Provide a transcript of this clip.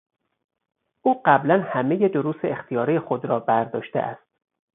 او قبلا همهی دروس اختیاری خود را برداشته است.